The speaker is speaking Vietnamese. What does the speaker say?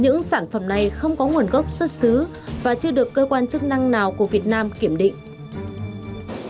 những sản phẩm này không có nguồn gốc xuất xứ và chưa được cơ quan chức năng nào của việt nam kiểm định